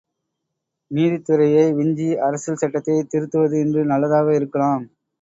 நீதித்துறையை விஞ்சி அரசியல் சட்டத்தைத் திருத்துவது இன்று நல்லதாக இருக்கலாம்.